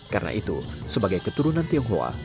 karena itu sebagai keturunan tionghoa